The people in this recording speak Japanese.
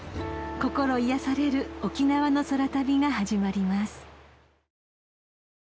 ［心癒やされる沖縄の空旅が始まります］